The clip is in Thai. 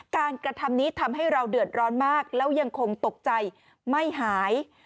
กระทำนี้ทำให้เราเดือดร้อนมากแล้วยังคงตกใจไม่หาย